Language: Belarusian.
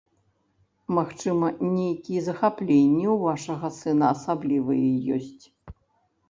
Магчыма, нейкія захапленні ў вашага сына асаблівыя ёсць.